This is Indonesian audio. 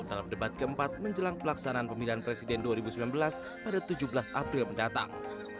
dalam debat keempat menjelang pelaksanaan pemilihan presiden dua ribu sembilan belas pada tujuh belas april mendatang